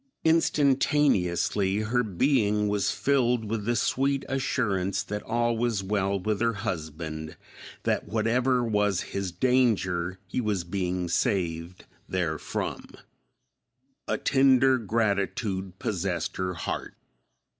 Instantaneously her being was filled with the sweet assurance that all was well with her husband; that whatever was his danger he was being saved therefrom. A tender gratitude possessed her heart.